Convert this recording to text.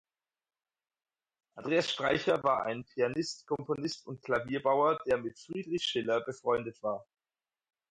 Andreas Streicher war ein Pianist, Komponist und Klavierbauer, der mit Friedrich Schiller befreundet war.